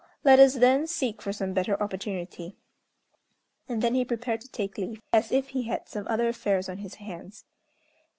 Let us, then, seek for some better opportunity." And then he prepared to take leave, as if he had some other affairs on his hands.